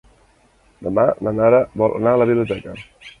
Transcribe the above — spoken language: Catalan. Demà na Nara vol anar a la biblioteca.